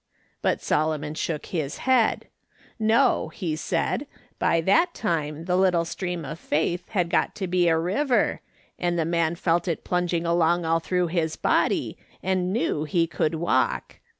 ' But Solomon shook his head ;' No,' he said, ' by that time the little stream of faith had got to be a river, and the man felt it plunging along all through liis body, and knew he could walk.'